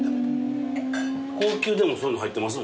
高級でもそういうの入ってます